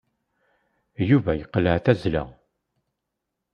Yuba yeqleɛ d tazzla.